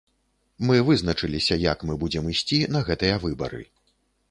Мы вызначыліся, як мы будзем ісці на гэтыя выбары.